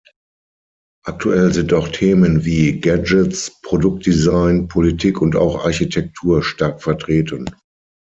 Aktuell sind auch Themen wie Gadgets, Produktdesign, Politik und auch Architektur stark vertreten.